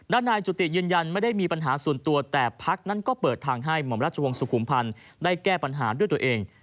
นายจุติยืนยันไม่ได้มีปัญหาส่วนตัวแต่พักนั้นก็เปิดทางให้หม่อมราชวงศ์สุขุมพันธ์ได้แก้ปัญหาด้วยตัวเอง